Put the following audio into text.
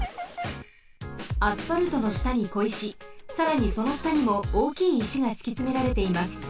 アスファルトのしたにこいしさらにそのしたにもおおきいいしがしきつめられています。